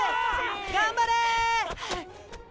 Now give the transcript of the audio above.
頑張れ！